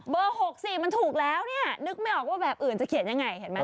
๖๔มันถูกแล้วเนี่ยนึกไม่ออกว่าแบบอื่นจะเขียนยังไงเห็นไหม